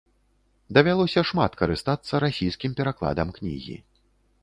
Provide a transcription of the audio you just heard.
Давялося шмат карыстацца расійскім перакладам кнігі.